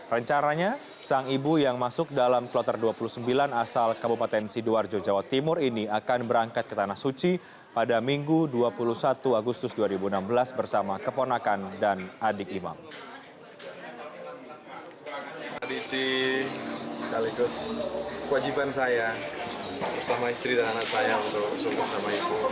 rencaranya sang ibu yang masuk dalam kloter dua puluh sembilan asal kabupaten sidoarjo jawa timur ini akan berangkat ke tanah suci pada minggu dua puluh satu agustus dua ribu enam belas bersama keponakan dan adik imam